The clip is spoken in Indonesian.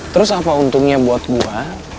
terus apa untungnya buat buah